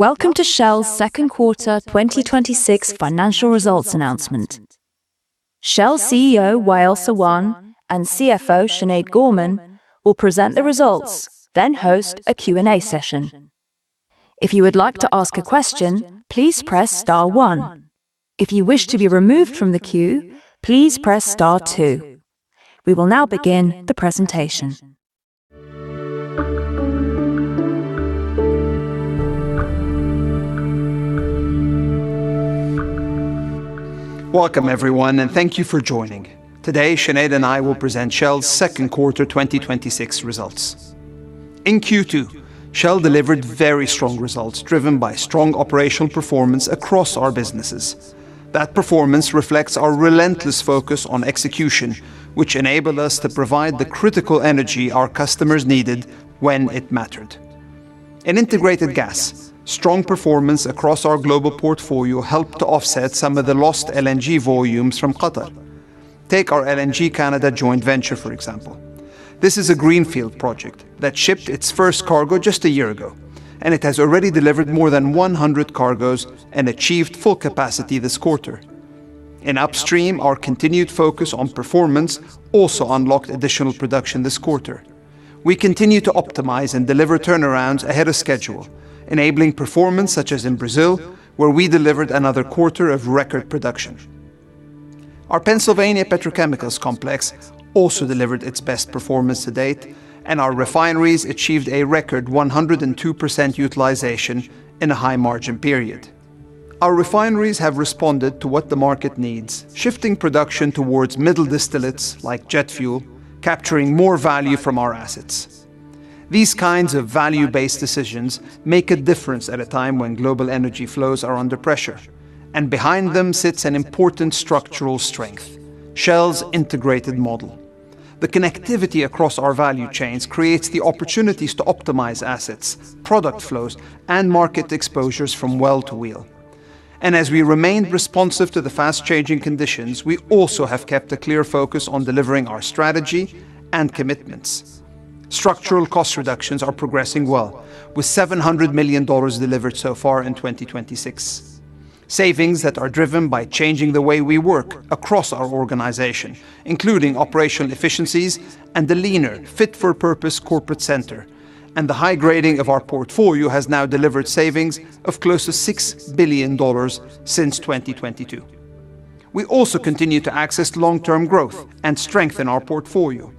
Welcome to Shell's second quarter 2026 financial results announcement. Shell CEO, Wael Sawan, and CFO, Sinead Gorman, will present the results, then host a Q&A session. If you would like to ask a question, please press star one. If you wish to be removed from the queue, please press star two. We will now begin the presentation. Welcome everyone. Thank you for joining. Today, Sinead and I will present Shell's second quarter 2026 results. In Q2, Shell delivered very strong results, driven by strong operational performance across our businesses. That performance reflects our relentless focus on execution, which enabled us to provide the critical energy our customers needed when it mattered. In integrated gas, strong performance across our global portfolio helped to offset some of the lost LNG volumes from Qatar. Take our LNG Canada joint venture, for example. This is a greenfield project that shipped its first cargo just a year ago, and it has already delivered more than 100 cargoes and achieved full capacity this quarter. In upstream, our continued focus on performance also unlocked additional production this quarter. We continue to optimize and deliver turnarounds ahead of schedule, enabling performance such as in Brazil, where we delivered another quarter of record production. Our Pennsylvania petrochemicals complex also delivered its best performance to date. Our refineries achieved a record 102% utilization in a high-margin period. Our refineries have responded to what the market needs, shifting production towards middle distillates, like jet fuel, capturing more value from our assets. These kinds of value-based decisions make a difference at a time when global energy flows are under pressure. Behind them sits an important structural strength, Shell's integrated model. The connectivity across our value chains creates the opportunities to optimize assets, product flows, and market exposures from well to wheel. As we remained responsive to the fast-changing conditions, we also have kept a clear focus on delivering our strategy and commitments. Structural cost reductions are progressing well, with $700 million delivered so far in 2026. Savings that are driven by changing the way we work across our organization, including operational efficiencies and a leaner fit-for-purpose corporate center. The high grading of our portfolio has now delivered savings of close to $6 billion since 2022. We also continue to access long-term growth and strengthen our portfolio.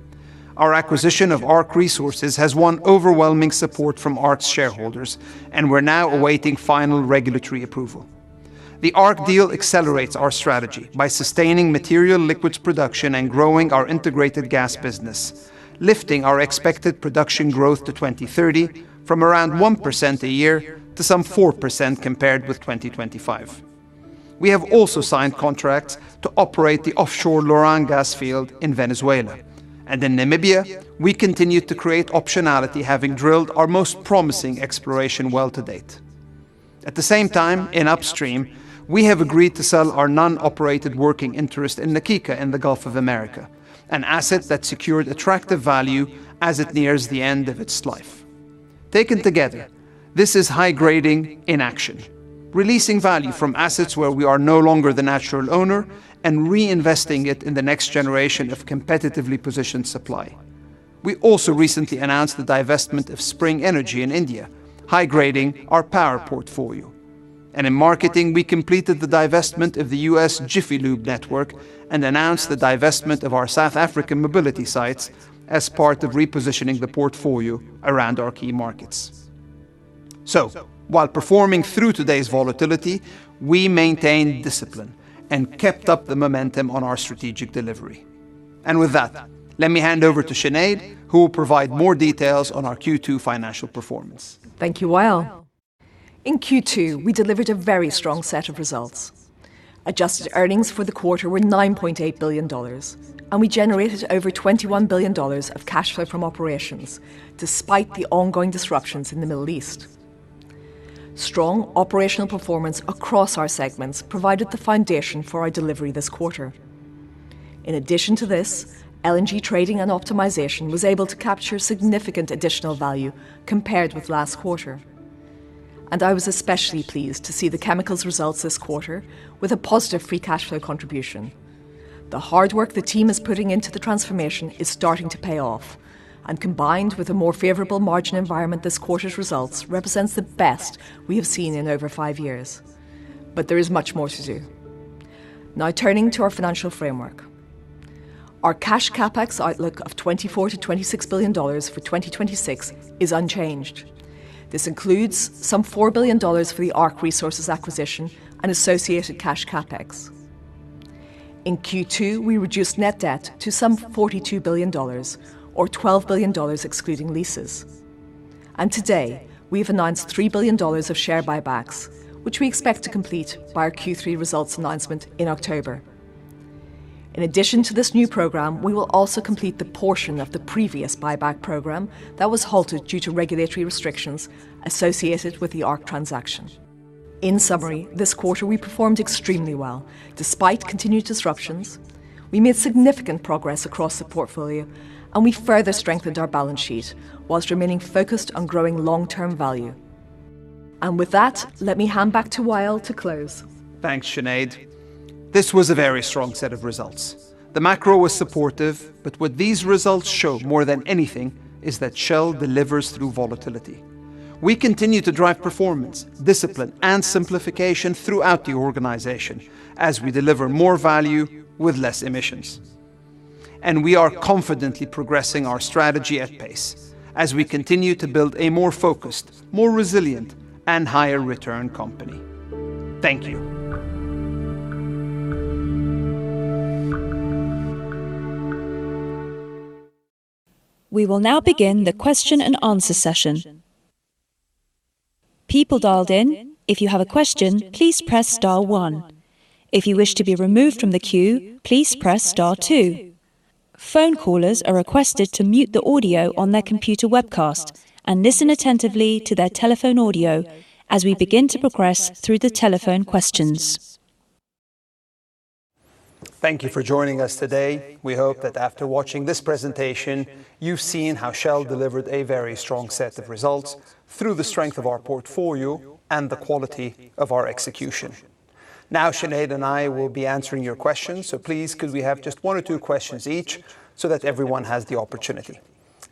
Our acquisition of ARC Resources has won overwhelming support from ARC's shareholders, and we're now awaiting final regulatory approval. The ARC deal accelerates our strategy by sustaining material liquids production and growing our integrated gas business, lifting our expected production growth to 2030 from around 1% a year to some 4% compared with 2025. We have also signed contracts to operate the offshore Loran gas field in Venezuela. In Namibia, we continued to create optionality, having drilled our most promising exploration well to date. At the same time, in upstream, we have agreed to sell our non-operated working interest in Na Kika in the Gulf of Mexico, an asset that secured attractive value as it nears the end of its life. Taken together, this is high grading in action, releasing value from assets where we are no longer the natural owner and reinvesting it in the next generation of competitively positioned supply. We also recently announced the divestment of Sprng Energy in India, high grading our power portfolio. In marketing, we completed the divestment of the U.S. Jiffy Lube network and announced the divestment of our South African mobility sites as part of repositioning the portfolio around our key markets. While performing through today's volatility, we maintained discipline and kept up the momentum on our strategic delivery. With that, let me hand over to Sinead, who will provide more details on our Q2 financial performance. Thank you, Wael. In Q2, we delivered a very strong set of results. Adjusted earnings for the quarter were $9.8 billion, and we generated over $21 billion of cash flow from operations, despite the ongoing disruptions in the Middle East. Strong operational performance across our segments provided the foundation for our delivery this quarter. In addition to this, LNG trading and optimization was able to capture significant additional value compared with last quarter. I was especially pleased to see the chemicals results this quarter with a positive free cash flow contribution. The hard work the team is putting into the transformation is starting to pay off, and combined with a more favorable margin environment, this quarter's results represents the best we have seen in over five years. There is much more to do. Turning to our financial framework. Our cash CapEx outlook of $24 billion-$26 billion for 2026 is unchanged. This includes some $4 billion for the ARC Resources acquisition and associated cash CapEx. In Q2, we reduced net debt to some $42 billion, or $12 billion excluding leases. Today, we've announced $3 billion of share buybacks, which we expect to complete by our Q3 results announcement in October. In addition to this new program, we will also complete the portion of the previous buyback program that was halted due to regulatory restrictions associated with the ARC transaction. In summary, this quarter, we performed extremely well. Despite continued disruptions, we made significant progress across the portfolio and we further strengthened our balance sheet whilst remaining focused on growing long-term value. With that, let me hand back to Wael to close. Thanks, Sinead. This was a very strong set of results. The macro was supportive. What these results show more than anything is that Shell delivers through volatility. We continue to drive performance, discipline, and simplification throughout the organization as we deliver more value with less emissions. We are confidently progressing our strategy at pace as we continue to build a more focused, more resilient, and higher return company. Thank you. We will now begin the question and answer session. People dialed in, if you have a question, please press star one. If you wish to be removed from the queue, please press star two. Phone callers are requested to mute the audio on their computer webcast and listen attentively to their telephone audio as we begin to progress through the telephone questions. Thank you for joining us today. We hope that after watching this presentation, you've seen how Shell delivered a very strong set of results through the strength of our portfolio and the quality of our execution. Sinead and I will be answering your questions, so please could we have just one or two questions each so that everyone has the opportunity.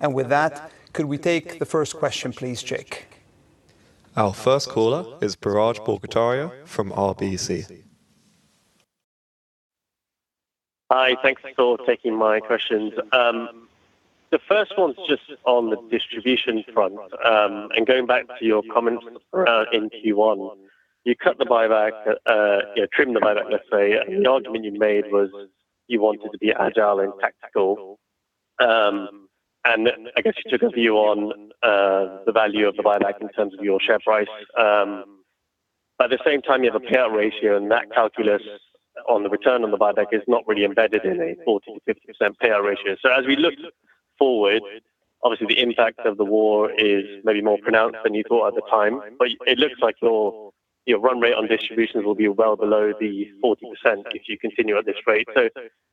With that, could we take the first question, please, Jake? Our first caller is Biraj Borkhataria from RBC. Hi, thanks for taking my questions. The first one's just on the distribution front, going back to your comments in Q1. You cut the buyback, trimmed the buyback, let's say. The argument you made was you wanted to be agile and tactical. I guess you took a view on the value of the buyback in terms of your share price. At the same time, you have a payout ratio, that calculus on the return on the buyback is not really embedded in a 40%-50% payout ratio. As we look forward, obviously the impact of the war is maybe more pronounced than you thought at the time, but it looks like your run rate on distributions will be well below the 40% if you continue at this rate.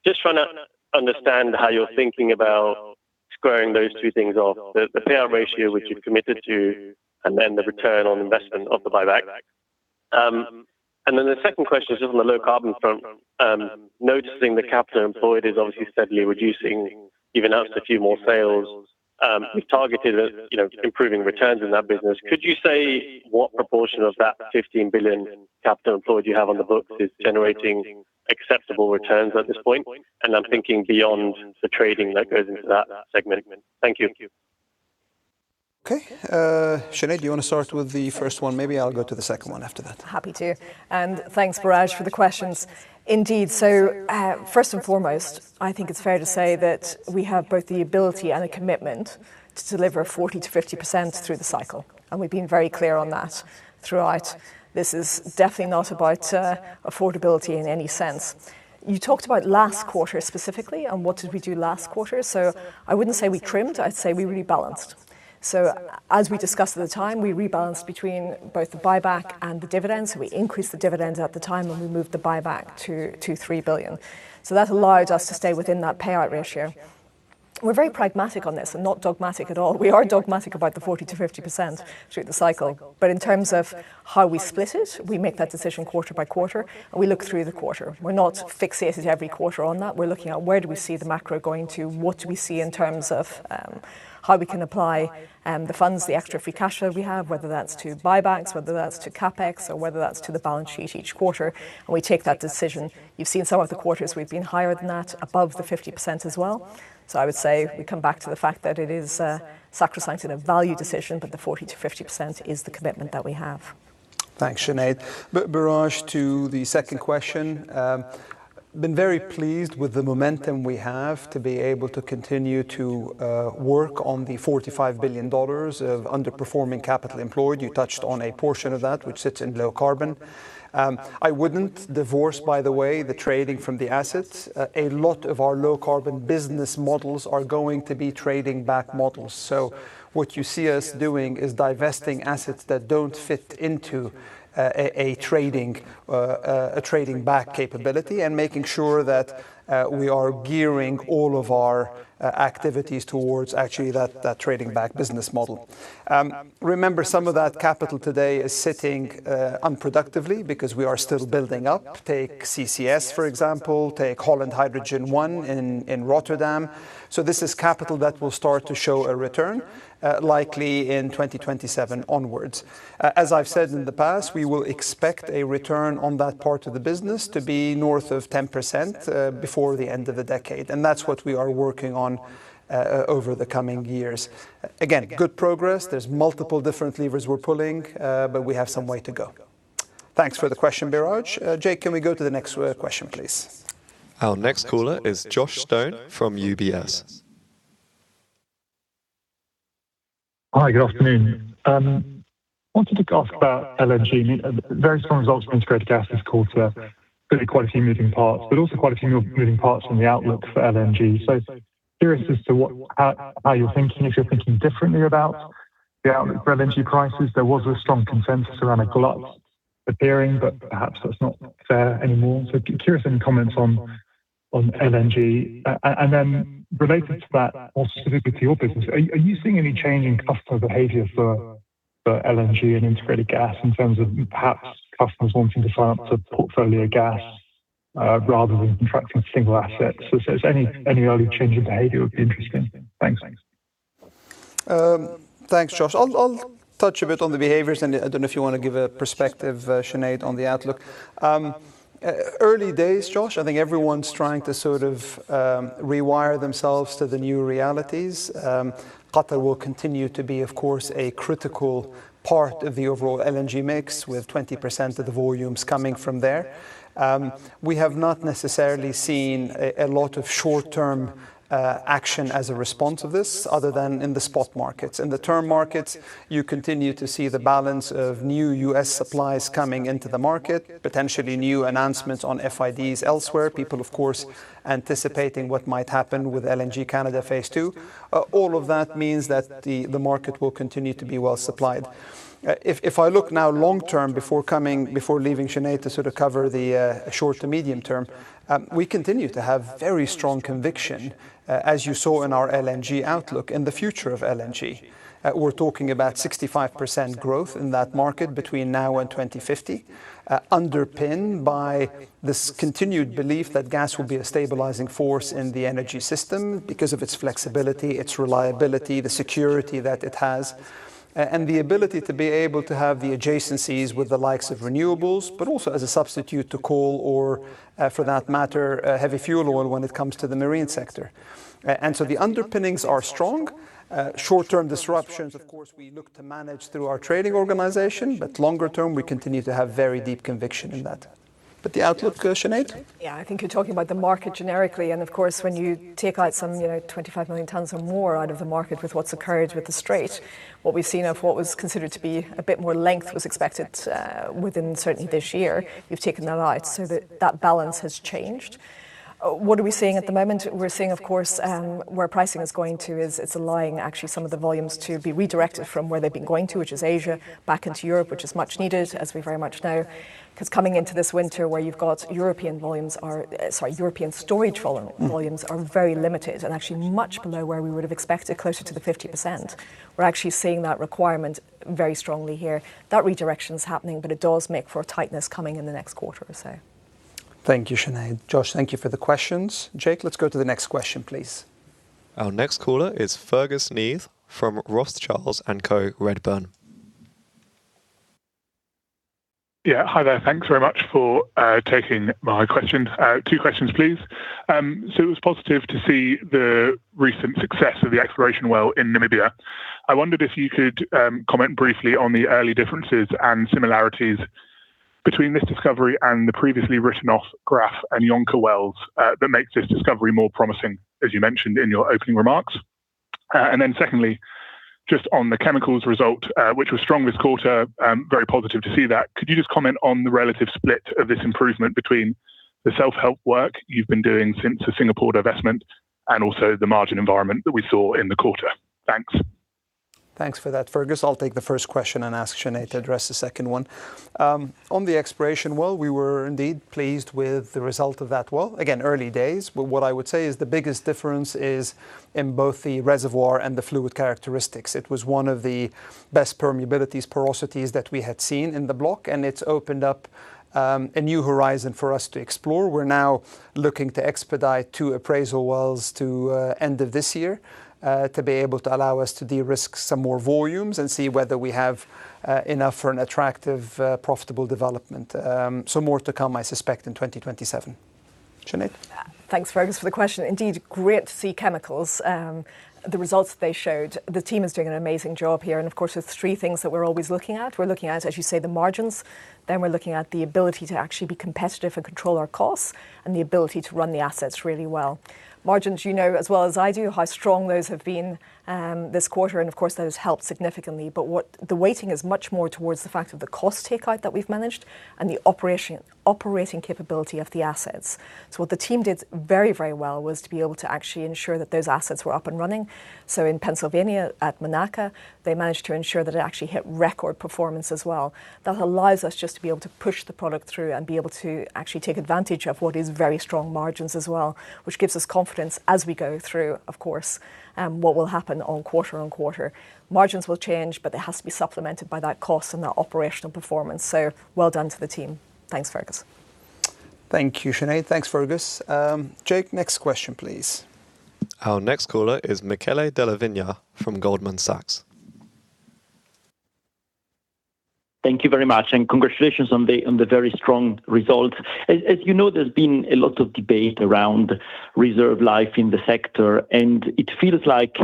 Just trying to understand how you're thinking about squaring those two things off, the payout ratio which you've committed to, then the return on investment of the buyback. The second question is just on the low carbon front. Noticing the capital employed is obviously steadily reducing. You've announced a few more sales. You've targeted improving returns in that business. Could you say what proportion of that $15 billion capital employed you have on the books is generating acceptable returns at this point? I'm thinking beyond the trading that goes into that segment. Thank you. Okay. Sinead, do you want to start with the first one? Maybe I'll go to the second one after that. Happy to. Thanks, Biraj, for the questions. Indeed. First and foremost, I think it's fair to say that we have both the ability and a commitment to deliver 40%-50% through the cycle, we've been very clear on that throughout. This is definitely not about affordability in any sense. You talked about last quarter specifically, what did we do last quarter. I wouldn't say we trimmed, I'd say we rebalanced. As we discussed at the time, we rebalanced between both the buyback and the dividends. We increased the dividends at the time, we moved the buyback to $3 billion. That allowed us to stay within that payout ratio. We're very pragmatic on this and not dogmatic at all. We are dogmatic about the 40%-50% through the cycle, but in terms of how we split it, we make that decision quarter by quarter and we look through the quarter. We're not fixated every quarter on that. We're looking at where do we see the macro going to, what do we see in terms of how we can apply the funds, the extra free cash flow we have, whether that's to buybacks, whether that's to CapEx, or whether that's to the balance sheet each quarter, and we take that decision. You've seen some of the quarters we've been higher than that, above the 50% as well. I would say we come back to the fact that it is sacrosanct and a value decision, but the 40%-50% is the commitment that we have. Thanks, Sinead. Biraj, to the second question. Been very pleased with the momentum we have to be able to continue to work on the $45 billion of underperforming capital employed. You touched on a portion of that which sits in low carbon. I wouldn't divorce, by the way, the trading from the assets. A lot of our low-carbon business models are going to be trading back models. What you see us doing is divesting assets that don't fit into a trading back capability and making sure that we are gearing all of our activities towards actually that trading back business model. Remember some of that capital today is sitting unproductively because we are still building up. Take CCS, for example, take Holland Hydrogen 1 in Rotterdam. This is capital that will start to show a return, likely in 2027 onwards. As I've said in the past, we will expect a return on that part of the business to be north of 10% before the end of the decade, that's what we are working on over the coming years. Again, good progress. There's multiple different levers we're pulling, we have some way to go. Thanks for the question, Biraj. Jake, can we go to the next question, please? Our next caller is Josh Stone from UBS. Hi, good afternoon. I wanted to ask about LNG. Very strong results from Integrated Gas this quarter, clearly quite a few moving parts, but also quite a few moving parts from the outlook for LNG. Curious as to how you're thinking, if you're thinking differently about the outlook for LNG prices. There was a strong consensus around a glut appearing, but perhaps that's not there anymore. Curious on your comments on LNG. Related to that, more specific to your business, are you seeing any change in customer behavior for LNG and integrated gas in terms of perhaps customers wanting to balance a portfolio gas rather than contracting single assets? Any early change in behavior would be interesting. Thanks. Thanks, Josh. I'll touch a bit on the behaviors, I don't know if you want to give a perspective, Sinead, on the outlook. Early days, Josh. I think everyone's trying to sort of rewire themselves to the new realities. Qatar will continue to be, of course, a critical part of the overall LNG mix, with 20% of the volumes coming from there. We have not necessarily seen a lot of short-term action as a response of this other than in the spot markets. In the term markets, you continue to see the balance of new U.S. supplies coming into the market, potentially new announcements on FIDs elsewhere, people, of course, anticipating what might happen with LNG Canada phase 2. All of that means that the market will continue to be well supplied. If I look now long-term before leaving Sinead to cover the short to medium term, we continue to have very strong conviction, as you saw in our LNG outlook, in the future of LNG. We're talking about 65% growth in that market between now and 2050, underpinned by this continued belief that gas will be a stabilizing force in the energy system because of its flexibility, its reliability, the security that it has, the ability to be able to have the adjacencies with the likes of renewables, also as a substitute to coal or, for that matter, heavy fuel oil when it comes to the marine sector. The underpinnings are strong. Short-term disruptions, of course, we look to manage through our trading organization, longer term, we continue to have very deep conviction in that. The outlook, Sinead? Yeah, I think you're talking about the market generically. Of course, when you take out some 25 million tonnes or more out of the market with what's occurred with the Strait, what we've seen of what was considered to be a bit more length was expected within certainly this year, you've taken that out. That balance has changed. What are we seeing at the moment? We're seeing, of course, where pricing is going to is it's allowing actually some of the volumes to be redirected from where they've been going to, which is Asia, back into Europe, which is much needed, as we very much know. Coming into this winter where you've got European storage volumes are very limited and actually much below where we would have expected, closer to the 50%. We're actually seeing that requirement very strongly here. That redirection is happening, it does make for a tightness coming in the next quarter or so. Thank you, Sinead. Josh, thank you for the questions. Jake, let's go to the next question, please. Our next caller is Fergus Neve from Rothschild & Co Redburn. Hi there. Thanks very much for taking my question. 2 questions, please. It was positive to see the recent success of the exploration well in Namibia. I wondered if you could comment briefly on the early differences and similarities between this discovery and the previously written-off Graff and Jonker wells that makes this discovery more promising, as you mentioned in your opening remarks. Secondly, just on the chemicals result, which was the strongest quarter, very positive to see that. Could you just comment on the relative split of this improvement between the self-help work you've been doing since the Singapore divestment and also the margin environment that we saw in the quarter? Thanks. Thanks for that, Fergus. I'll take the first question and ask Sinead to address the second one. On the exploration well, we were indeed pleased with the result of that well. Again, early days, but what I would say is the biggest difference is in both the reservoir and the fluid characteristics. It was one of the best permeabilities, porosities that we had seen in the block, and it's opened up a new horizon for us to explore. We're now looking to expedite two appraisal wells to end of this year to be able to allow us to de-risk some more volumes and see whether we have enough for an attractive, profitable development. More to come, I suspect, in 2027. Sinead? Thanks, Fergus, for the question. Indeed, great to see chemicals, the results they showed. The team is doing an amazing job here. Of course, there's three things that we're always looking at. We're looking at, as you say, the margins, we're looking at the ability to actually be competitive and control our costs, and the ability to run the assets really well. Margins, you know as well as I do how strong those have been this quarter. Of course, those help significantly. The weighting is much more towards the fact of the cost take out that we've managed and the operating capability of the assets. What the team did very well was to be able to actually ensure that those assets were up and running. In Pennsylvania, at Monaca, they managed to ensure that it actually hit record performance as well. That allows us just to be able to push the product through and be able to actually take advantage of what is very strong margins as well, which gives us confidence as we go through, of course, what will happen on quarter-on-quarter. Margins will change, but it has to be supplemented by that cost and that operational performance. Well done to the team. Thanks, Fergus. Thank you, Sinead. Thanks, Fergus. Jake, next question, please. Our next caller is Michele Della Vigna from Goldman Sachs. Thank you very much. Congratulations on the very strong result. As you know, there's been a lot of debate around reserve life in the sector, it feels like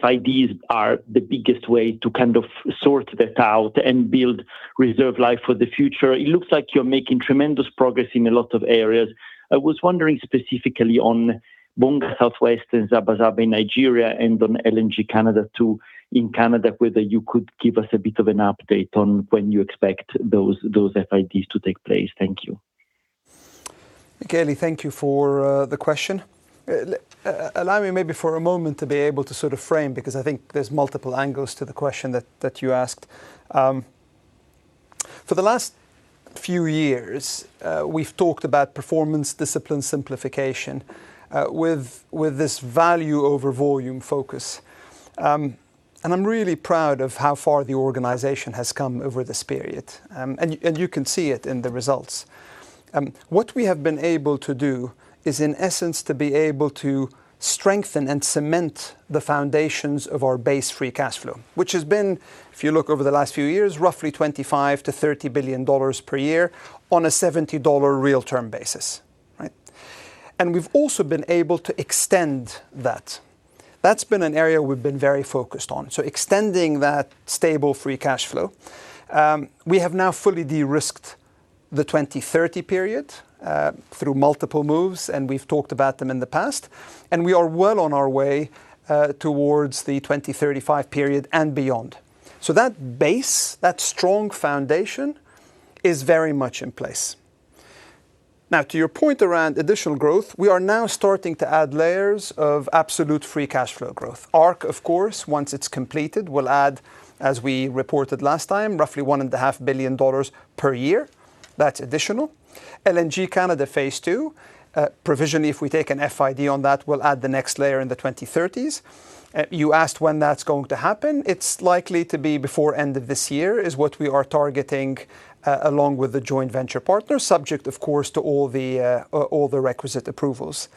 FIDs are the biggest way to kind of sort that out and build reserve life for the future. It looks like you're making tremendous progress in a lot of areas. I was wondering specifically on Bonga South West and Zabazaba in Nigeria and on LNG Canada too, in Canada, whether you could give us a bit of an update on when you expect those FIDs to take place. Thank you. Michele, thank you for the question. Allow me maybe for a moment to be able to frame, because I think there's multiple angles to the question that you asked. For the last few years, we've talked about performance discipline simplification with this value over volume focus. I'm really proud of how far the organization has come over this period. You can see it in the results. What we have been able to do is, in essence, to be able to strengthen and cement the foundations of our base free cash flow, which has been, if you look over the last few years, roughly $25 billion-$30 billion per year on a $70 real-term basis. Right? We've also been able to extend that. That's been an area we've been very focused on. Extending that stable free cash flow. We have now fully de-risked the 2030 period through multiple moves. We've talked about them in the past, we are well on our way towards the 2035 period and beyond. That base, that strong foundation, is very much in place. Now, to your point around additional growth, we are now starting to add layers of absolute free cash flow growth. ARC, of course, once it's completed, will add, as we reported last time, roughly $1.5 billion per year. That's additional. LNG Canada phase 2, provisionally, if we take an FID on that, we'll add the next layer in the 2030s. You asked when that's going to happen. It's likely to be before end of this year, is what we are targeting, along with the joint venture partners, subject, of course, to all the requisite approvals.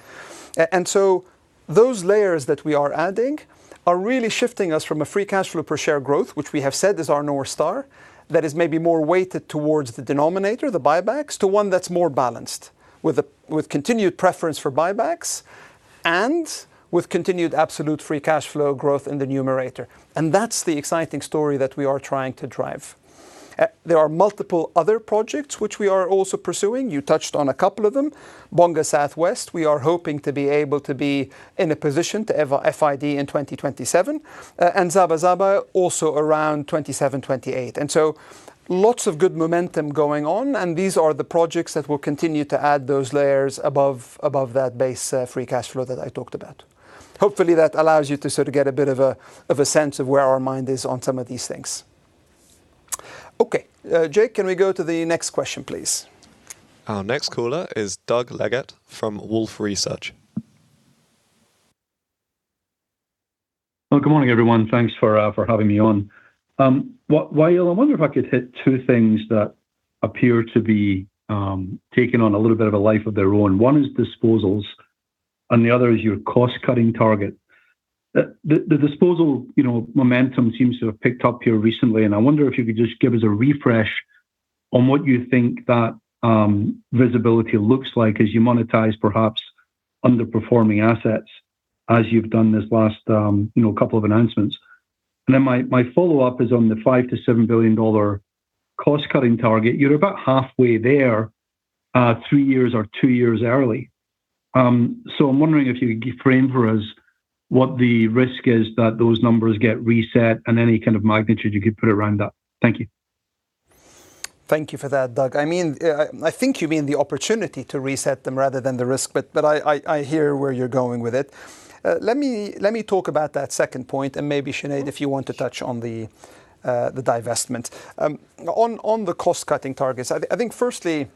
Those layers that we are adding are really shifting us from a free cash flow per share growth, which we have said is our North Star, that is maybe more weighted towards the denominator, the buybacks, to one that's more balanced with continued preference for buybacks and with continued absolute free cash flow growth in the numerator. That's the exciting story that we are trying to drive. There are multiple other projects which we are also pursuing. You touched on a couple of them. Bonga South West, we are hoping to be able to be in a position to FID in 2027. Zabazaba also around 2027, 2028. Lots of good momentum going on, and these are the projects that will continue to add those layers above that base free cash flow that I talked about. Hopefully, that allows you to get a bit of a sense of where our mind is on some of these things. Okay. Jake, can we go to the next question, please? Our next caller is Doug Leggate from Wolfe Research. Well, good morning, everyone. Thanks for having me on. Wael, I wonder if I could hit two things that appear to be taking on a little bit of a life of their own. One is disposals and the other is your cost-cutting target. The disposal momentum seems to have picked up here recently, and I wonder if you could just give us a refresh on what you think that visibility looks like as you monetize perhaps underperforming assets as you've done this last couple of announcements. Then my follow-up is on the $5 billion to $7 billion cost-cutting target. You're about halfway there, two years early. I'm wondering if you could frame for us what the risk is that those numbers get reset and any kind of magnitude you could put around that. Thank you. Thank you for that, Doug. I think you mean the opportunity to reset them rather than the risk, but I hear where you're going with it. Let me talk about that second point, and maybe Sinead, if you want to touch on the divestment. On the cost-cutting targets, I think firstly,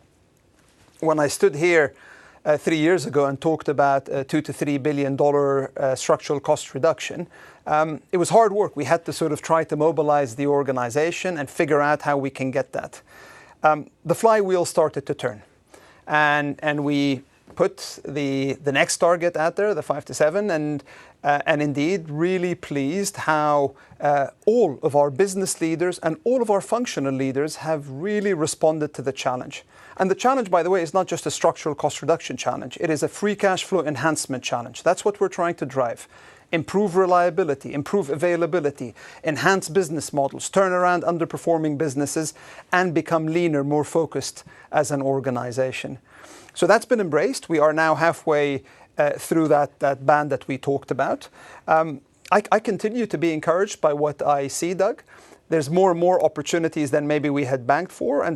when I stood here three years ago and talked about a $2 billion to $3 billion structural cost reduction, it was hard work. We had to try to mobilize the organization and figure out how we can get that. The flywheel started to turn, and we put the next target out there, the $5 billion to $7 billion, and indeed, really pleased how all of our business leaders and all of our functional leaders have really responded to the challenge. The challenge, by the way, is not just a structural cost reduction challenge. It is a free cash flow enhancement challenge. That's what we're trying to drive. Improve reliability, improve availability, enhance business models, turn around underperforming businesses, and become leaner, more focused as an organization. That's been embraced. We are now halfway through that band that we talked about. I continue to be encouraged by what I see, Doug. There's more and more opportunities than maybe we had banked for,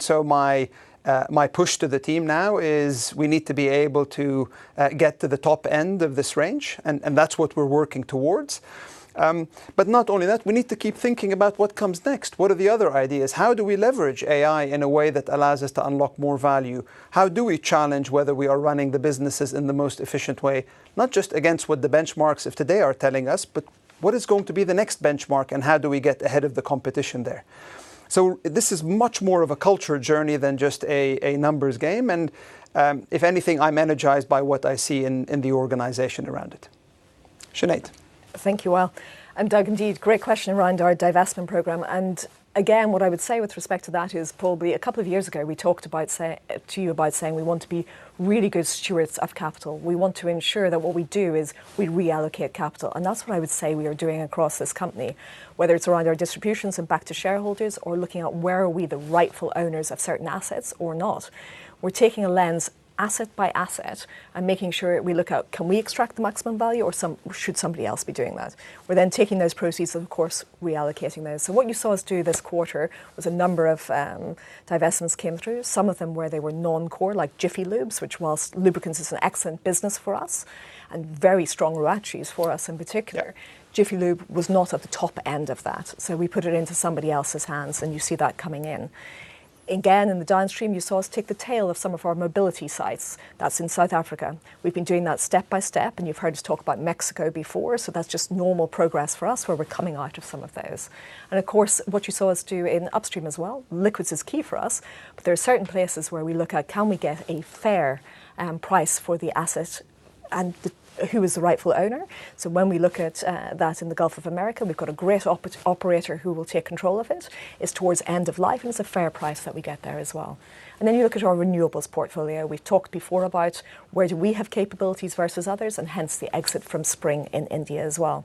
my push to the team now is we need to be able to get to the top end of this range, and that's what we're working towards. Not only that, we need to keep thinking about what comes next. What are the other ideas? How do we leverage AI in a way that allows us to unlock more value? How do we challenge whether we are running the businesses in the most efficient way, not just against what the benchmarks of today are telling us, but what is going to be the next benchmark and how do we get ahead of the competition there? This is much more of a culture journey than just a numbers game, if anything, I'm energized by what I see in the organization around it. Sinead. Thank you, Wael. Doug, indeed, great question around our divestment program. Again, what I would say with respect to that is probably a couple of years ago, we talked to you about saying we want to be really good stewards of capital. We want to ensure that what we do is we reallocate capital, that's what I would say we are doing across this company, whether it's around our distributions and back to shareholders or looking at where are we the rightful owners of certain assets or not. We're taking a lens asset by asset and making sure we look at can we extract the maximum value or should somebody else be doing that? We're taking those proceeds and, of course, reallocating those. What you saw us do this quarter was a number of divestments came through, some of them where they were non-core, like Jiffy Lube, which whilst lubricants is an excellent business for us and very strong ROACEs for us, in particular, Jiffy Lube was not at the top end of that. We put it into somebody else's hands, and you see that coming in. Again, in the downstream, you saw us take the tail of some of our mobility sites. That's in South Africa. We've been doing that step by step, and you've heard us talk about Mexico before, so that's just normal progress for us, where we're coming out of some of those. Of course, what you saw us do in upstream as well, liquids is key for us, but there are certain places where we look at can we get a fair price for the asset, and who is the rightful owner? When we look at that in the Gulf of Mexico, we've got a great operator who will take control of it. It's towards end of life, and it's a fair price that we get there as well. Then you look at our renewables portfolio. We've talked before about where do we have capabilities versus others, and hence the exit from Sprng Energy in India as well.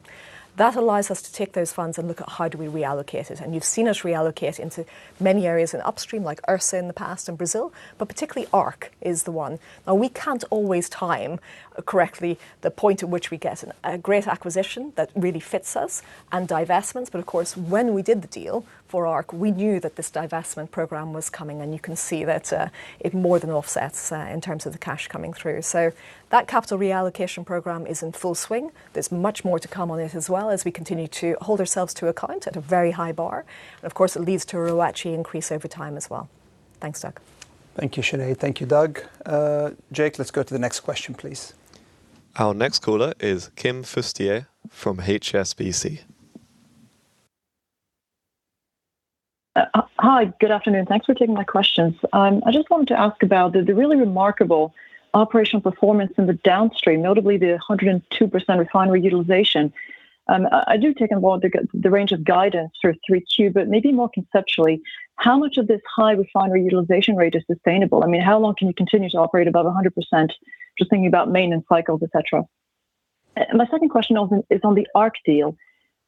That allows us to take those funds and look at how do we reallocate it. You've seen us reallocate into many areas in upstream, like Ursa in the past in Brazil, but particularly ARC is the one. Now, we can't always time correctly the point at which we get a great acquisition that really fits us and divestments, but of course, when we did the deal for ARC, we knew that this divestment program was coming, and you can see that it more than offsets in terms of the cash coming through. That capital reallocation program is in full swing. There's much more to come on it as well as we continue to hold ourselves to account at a very high bar. Of course, it leads to a ROACE increase over time as well. Thanks, Doug. Thank you, Sinead. Thank you, Doug. Jake, let's go to the next question, please. Our next caller is Kim Fustier from HSBC. Hi, good afternoon. Thanks for taking my questions. I just wanted to ask about the really remarkable operational performance in the downstream, notably the 102% refinery utilization. I do take on board the range of guidance for Q3, but maybe more conceptually, how much of this high refinery utilization rate is sustainable? How long can you continue to operate above 100%? Just thinking about maintenance cycles, et cetera. My second question is on the ARC deal.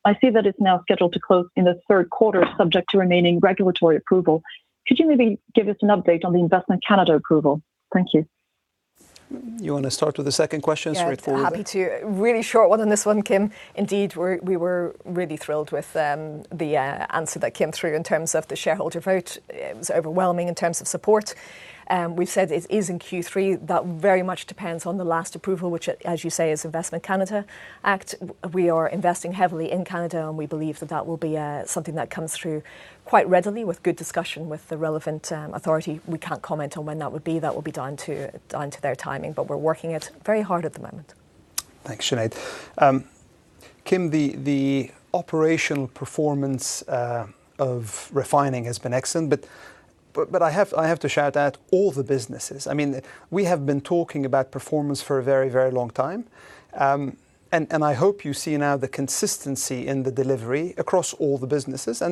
I see that it's now scheduled to close in the third quarter, subject to remaining regulatory approval. Could you maybe give us an update on the Investment Canada approval? Thank you. You want to start with the second question, straight forward? Yeah, happy to. Really short one on this one, Kim. Indeed, we were really thrilled with the answer that came through in terms of the shareholder vote. It was overwhelming in terms of support. We've said it is in Q3. That very much depends on the last approval, which, as you say, is Investment Canada Act. We are investing heavily in Canada. We believe that that will be something that comes through quite readily with good discussion with the relevant authority. We can't comment on when that would be. That will be down to their timing, but we're working it very hard at the moment. Thanks, Sinead. Kim, the operational performance of refining has been excellent, but I have to shout out all the businesses. We have been talking about performance for a very, very long time. I hope you see now the consistency in the delivery across all the businesses.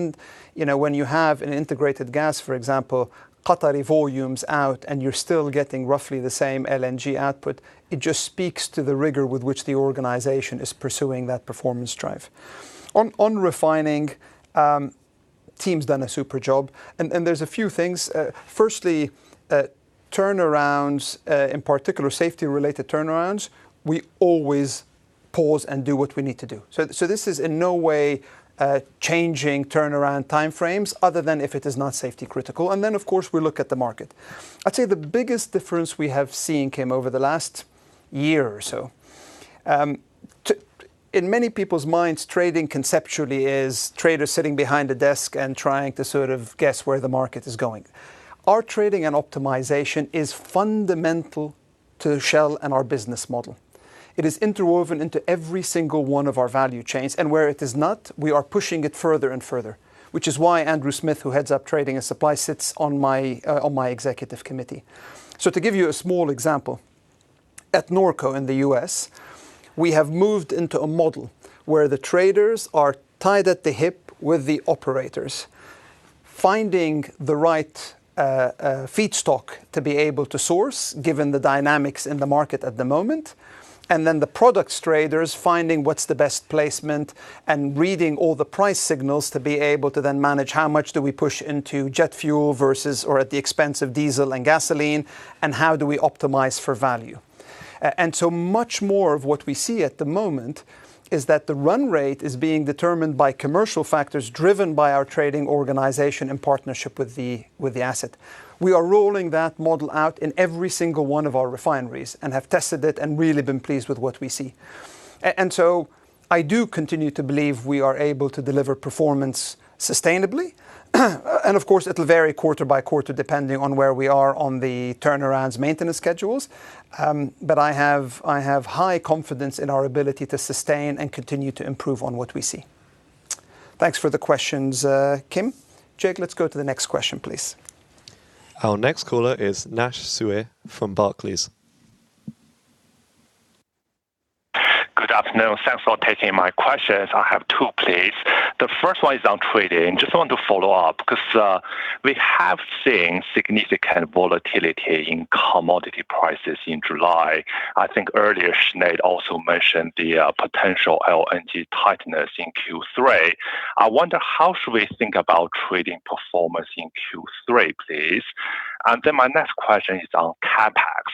When you have an integrated gas, for example, Qatari volumes out, and you're still getting roughly the same LNG output, it just speaks to the rigor with which the organization is pursuing that performance drive. On refining, team's done a super job. There's a few things. Firstly, turnarounds, in particular, safety-related turnarounds, we always pause and do what we need to do. This is in no way changing turnaround time frames other than if it is not safety critical. Then, of course, we look at the market. I'd say the biggest difference we have seen, Kim, over the last year or so. In many people's minds, trading conceptually is traders sitting behind a desk and trying to sort of guess where the market is going. Our trading and optimization is fundamental to Shell and our business model. It is interwoven into every single one of our value chains, and where it is not, we are pushing it further and further, which is why Andrew Smith, who heads up trading and supply, sits on my executive committee. To give you a small example, at Norco in the U.S., we have moved into a model where the traders are tied at the hip with the operators, finding the right feedstock to be able to source, given the dynamics in the market at the moment, then the products traders finding what's the best placement and reading all the price signals to be able to then manage how much do we push into jet fuel versus or at the expense of diesel and gasoline, and how do we optimize for value. Much more of what we see at the moment is that the run rate is being determined by commercial factors driven by our trading organization in partnership with the asset. We are rolling that model out in every single one of our refineries and have tested it and really been pleased with what we see. I do continue to believe we are able to deliver performance sustainably. Of course, it'll vary quarter by quarter depending on where we are on the turnarounds maintenance schedules. I have high confidence in our ability to sustain and continue to improve on what we see. Thanks for the questions, Kim. Jake, let's go to the next question, please. Our next caller is Nash Suwe from Barclays. Good afternoon. Thanks for taking my questions. I have two, please. The first one is on trading. Just want to follow up because we have seen significant volatility in commodity prices in July. I think earlier, Sinead also mentioned the potential LNG tightness in Q3. I wonder how should we think about trading performance in Q3, please. My next question is on CapEx.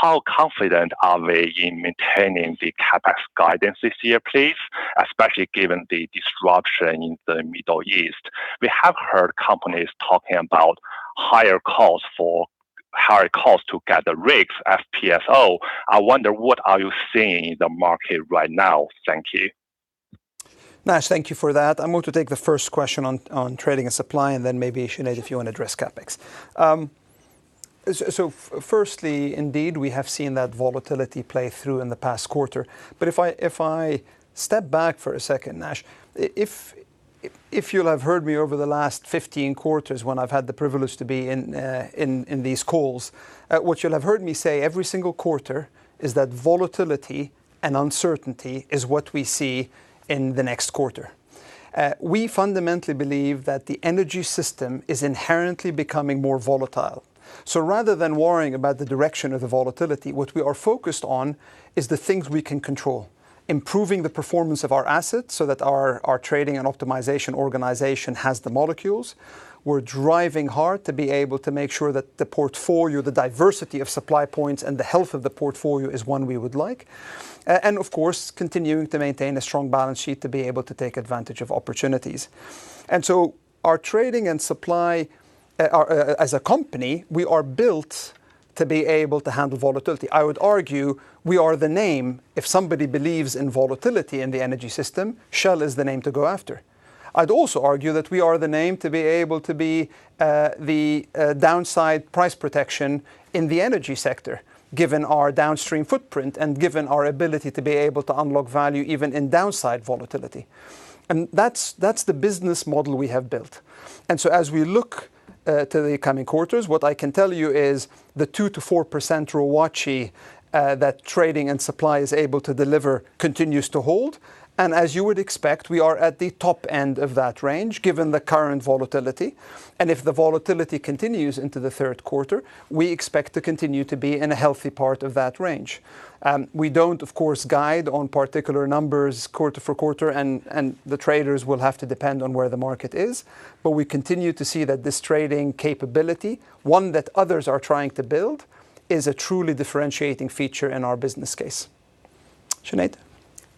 How confident are we in maintaining the CapEx guidance this year, please, especially given the disruption in the Middle East? We have heard companies talking about higher costs to get the rigs FPSO. I wonder, what are you seeing in the market right now? Thank you. Nash, thank you for that. I'm going to take the first question on trading and supply, then maybe Sinead, if you want to address CapEx. Firstly, indeed, we have seen that volatility play through in the past quarter. If I step back for a second, Nash, if you'll have heard me over the last 15 quarters when I've had the privilege to be in these calls, what you'll have heard me say every single quarter is that volatility and uncertainty is what we see in the next quarter. We fundamentally believe that the energy system is inherently becoming more volatile. Rather than worrying about the direction of the volatility, what we are focused on is the things we can control. Improving the performance of our assets so that our trading and optimization organization has the molecules. We're driving hard to be able to make sure that the portfolio, the diversity of supply points, and the health of the portfolio is one we would like. Of course, continuing to maintain a strong balance sheet to be able to take advantage of opportunities. Our trading and supply, as a company, we are built to be able to handle volatility. I would argue we are the name, if somebody believes in volatility in the energy system, Shell is the name to go after. I'd also argue that we are the name to be able to be the downside price protection in the energy sector, given our downstream footprint and given our ability to be able to unlock value even in downside volatility. That's the business model we have built. As we look to the coming quarters, what I can tell you is the 2%-4% ROACE that trading and supply is able to deliver continues to hold. As you would expect, we are at the top end of that range, given the current volatility. If the volatility continues into the third quarter, we expect to continue to be in a healthy part of that range. We don't, of course, guide on particular numbers quarter for quarter, and the traders will have to depend on where the market is. We continue to see that this trading capability, one that others are trying to build, is a truly differentiating feature in our business case. Sinead.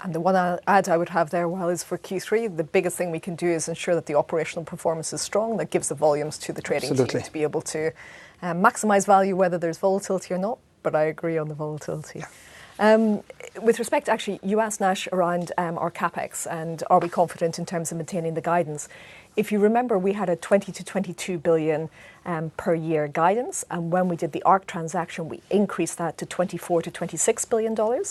The one add I would have there, Wael, is for Q3, the biggest thing we can do is ensure that the operational performance is strong. That gives the volumes to the trading team. Absolutely to be able to maximize value, whether there's volatility or not. I agree on the volatility. With respect, actually, you asked Nash around our CapEx and are we confident in terms of maintaining the guidance. If you remember, we had a $20 billion-$22 billion per year guidance, and when we did the ARC transaction, we increased that to $24 billion-$26 billion.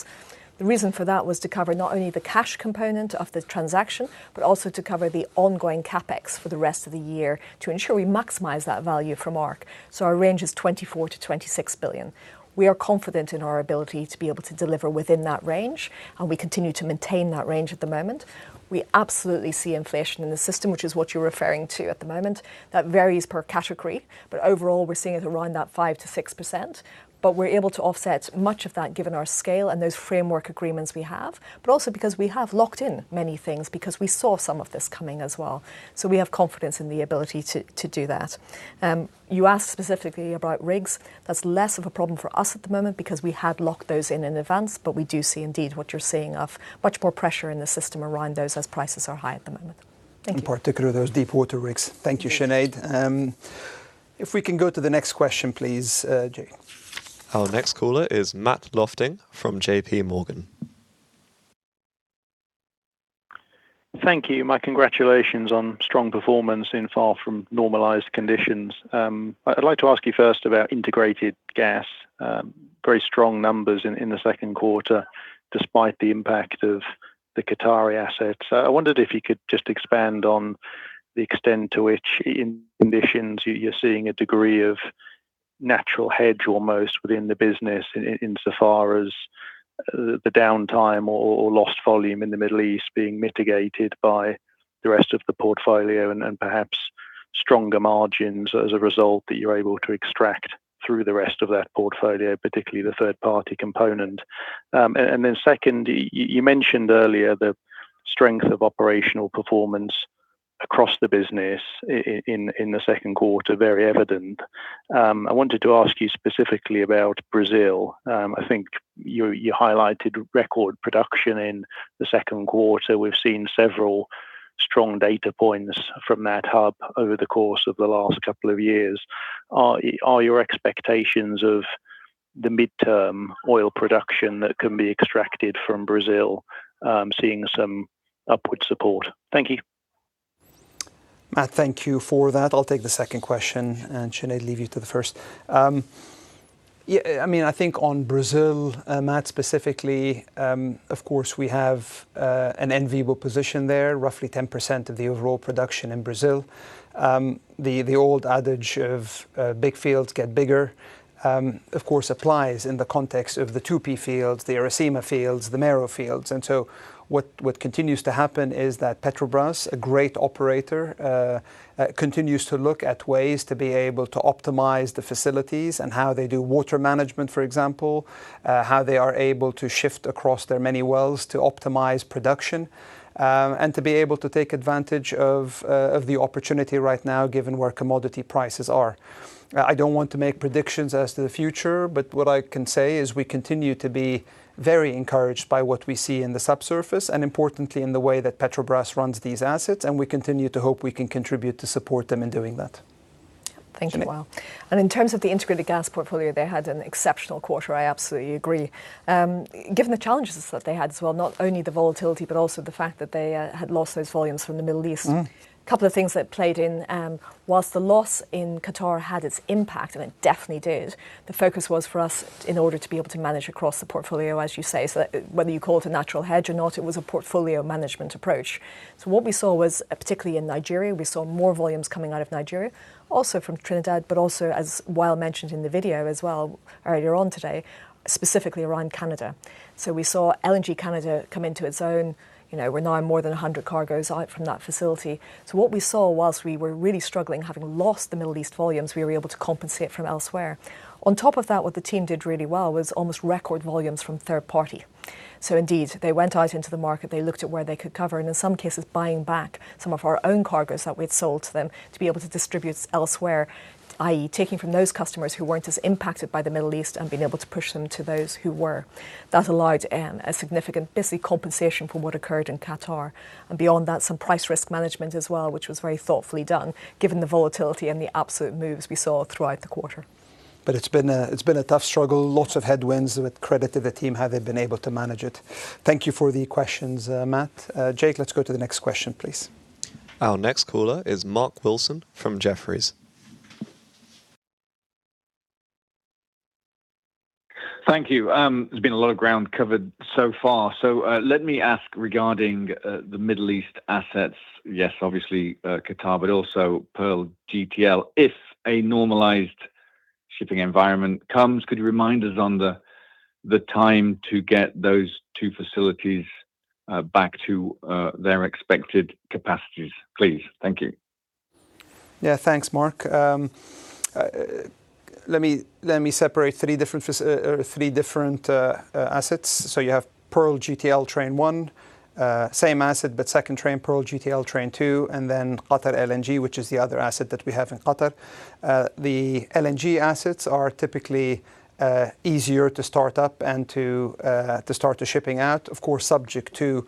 The reason for that was to cover not only the cash component of the transaction, but also to cover the ongoing CapEx for the rest of the year to ensure we maximize that value from ARC. Our range is $24 billion-$26 billion. We are confident in our ability to be able to deliver within that range, and we continue to maintain that range at the moment. We absolutely see inflation in the system, which is what you're referring to at the moment. That varies per category, overall, we're seeing it around that 5%-6%. We're able to offset much of that given our scale and those framework agreements we have, but also because we have locked in many things because we saw some of this coming as well. We have confidence in the ability to do that. You asked specifically about rigs. That's less of a problem for us at the moment because we had locked those in in advance, we do see indeed what you're seeing of much more pressure in the system around those as prices are high at the moment. Thank you. In particular, those deep water rigs. Thank you, Sinead. If we can go to the next question, please, Jake. Our next caller is Matt Lofting from J.P. Morgan. Thank you. My congratulations on strong performance in far from normalized conditions. I'd like to ask you first about integrated gas. Very strong numbers in the second quarter, despite the impact of the Qatari assets. I wondered if you could just expand on the extent to which in conditions you're seeing a degree of natural hedge almost within the business insofar as the downtime or lost volume in the Middle East being mitigated by the rest of the portfolio and perhaps stronger margins as a result that you're able to extract through the rest of that portfolio, particularly the third-party component. Second, you mentioned earlier the strength of operational performance across the business in the second quarter, very evident. I wanted to ask you specifically about Brazil. I think you highlighted record production in the second quarter. We've seen several strong data points from that hub over the course of the last couple of years. Are your expectations of the midterm oil production that can be extracted from Brazil seeing some upward support? Thank you. Matt, thank you for that. I'll take the second question, and Sinead, leave you to the first. I think on Brazil, Matt, specifically, of course we have an enviable position there, roughly 10% of the overall production in Brazil. The old adage of big fields get bigger, of course, applies in the context of the Tupi fields, the Iracema fields, the Mero fields. What continues to happen is that Petrobras, a great operator, continues to look at ways to be able to optimize the facilities and how they do water management, for example how they are able to shift across their many wells to optimize production, and to be able to take advantage of the opportunity right now given where commodity prices are. I don't want to make predictions as to the future, but what I can say is we continue to be very encouraged by what we see in the subsurface, and importantly, in the way that Petrobras runs these assets. We continue to hope we can contribute to support them in doing that. Thank you, Wael. In terms of the integrated gas portfolio, they had an exceptional quarter, I absolutely agree. Given the challenges that they had as well, not only the volatility, but also the fact that they had lost those volumes from the Middle East. A couple of things that played in. Whilst the loss in Qatar had its impact, and it definitely did, the focus was for us in order to be able to manage across the portfolio, as you say, so that whether you call it a natural hedge or not, it was a portfolio management approach. What we saw was, particularly in Nigeria, we saw more volumes coming out of Nigeria, also from Trinidad, but also, as Wael mentioned in the video as well earlier on today, specifically around Canada. We saw LNG Canada come into its own. We're now more than 100 cargoes out from that facility. What we saw whilst we were really struggling, having lost the Middle East volumes, we were able to compensate from elsewhere. On top of that, what the team did really well was almost record volumes from third party. Indeed, they went out into the market, they looked at where they could cover, and in some cases, buying back some of our own cargoes that we'd sold to them to be able to distribute elsewhere, i.e. taking from those customers who weren't as impacted by the Middle East and being able to push them to those who were. That allowed a significant, basically compensation for what occurred in Qatar. Beyond that, some price risk management as well, which was very thoughtfully done given the volatility and the absolute moves we saw throughout the quarter. It's been a tough struggle. Lots of headwinds, and credit to the team how they've been able to manage it. Thank you for the questions, Matt. Jake, let's go to the next question, please. Our next caller is Mark Wilson from Jefferies. Thank you. There's been a lot of ground covered so far, let me ask regarding the Middle East assets. Yes, obviously, Qatar, but also Pearl GTL. If a normalized shipping environment comes, could you remind us on the time to get those two facilities back to their expected capacities, please? Thank you. Thanks, Mark. Let me separate three different assets. You have Pearl GTL train one, same asset, but second train, Pearl GTL train two, and then Qatar LNG, which is the other asset that we have in Qatar. The LNG assets are typically easier to start up and to start the shipping out, of course, subject to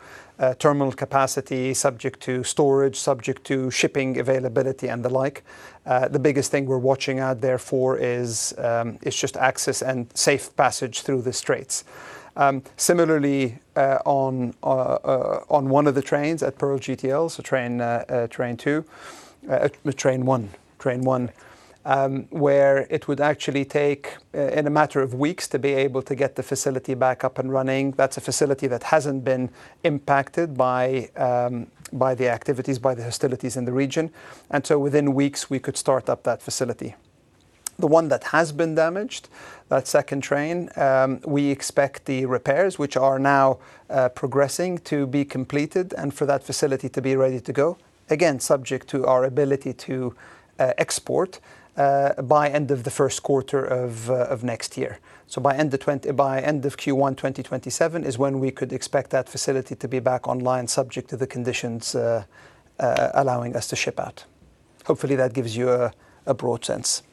terminal capacity, subject to storage, subject to shipping availability, and the like. The biggest thing we're watching out there for is just access and safe passage through the Straits. Similarly, on one of the trains at Pearl GTL, so train two, train one, where it would actually take in a matter of weeks to be able to get the facility back up and running. That's a facility that hasn't been impacted by the activities, by the hostilities in the region. Within weeks, we could start up that facility. The one that has been damaged, that second train, we expect the repairs, which are now progressing, to be completed and for that facility to be ready to go, again, subject to our ability to export, by end of the first quarter of next year. By end of Q1 2027 is when we could expect that facility to be back online subject to the conditions allowing us to ship out. Hopefully, that gives you a broad sense.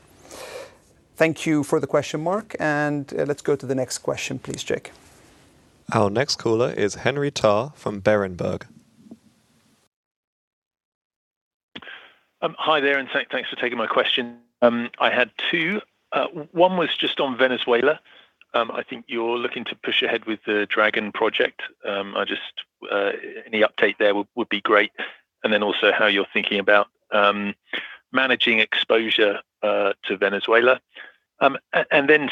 Thank you for the question, Mark, and let's go to the next question please, Jake. Our next caller is Henry Tarr from Berenberg. Hi there, thanks for taking my question. I had two. One was just on Venezuela. I think you're looking to push ahead with the Dragon project. Any update there would be great, and then also how you're thinking about managing exposure to Venezuela.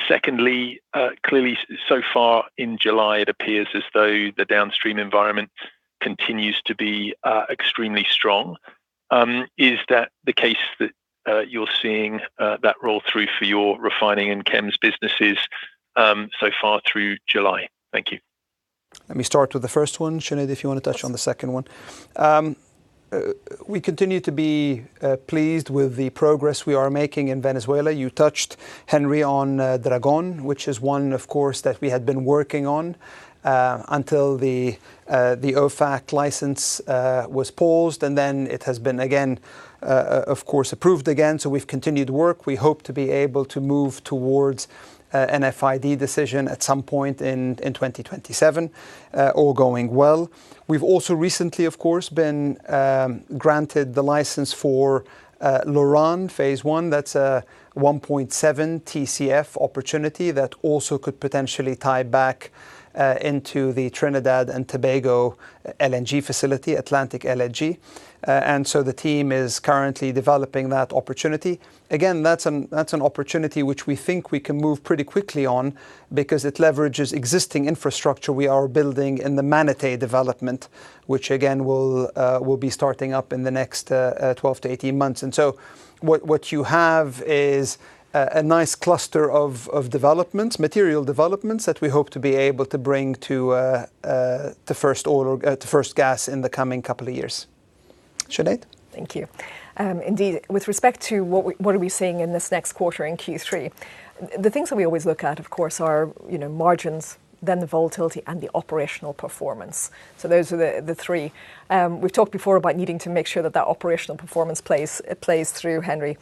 Secondly, clearly so far in July it appears as though the downstream environment continues to be extremely strong. Is that the case that you're seeing that roll through for your refining and chems businesses so far through July? Thank you. Let me start with the first one. Sinead, if you want to touch on the second one. We continue to be pleased with the progress we are making in Venezuela. You touched, Henry, on Dragon, which is one, of course, that we had been working on until the OFAC license was paused and then it has been, again, of course, approved again. We've continued work. We hope to be able to move towards an FID decision at some point in 2027. All going well. We've also recently, of course, been granted the license for Loran Phase One. That's a 1.7 TCF opportunity that also could potentially tie back into the Trinidad and Tobago LNG facility, Atlantic LNG. The team is currently developing that opportunity. Again, that's an opportunity which we think we can move pretty quickly on because it leverages existing infrastructure we are building in the Manatee development, which again, will be starting up in the next 12 to 18 months. What you have is a nice cluster of developments, material developments that we hope to be able to bring to first gas in the coming couple of years. Sinead? Thank you. Indeed, with respect to what are we seeing in this next quarter in Q3, the things that we always look at, of course, are margins, then the volatility, and the operational performance. Those are the three. We've talked before about needing to make sure that that operational performance plays through, Henry.